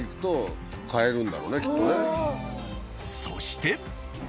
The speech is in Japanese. そして。